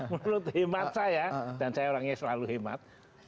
menurut hemat saya dan saya orangnya selalu hemat